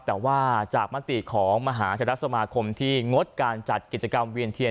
แต่ว่าจากมติของมหาเทรสมาคมที่งดการจัดกิจกรรมเวียนเทียน